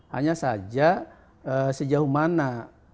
hanya saja sejauh mana